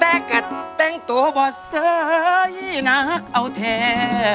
แต่กัดแต่งตัวบ่สวยนักเอาแทน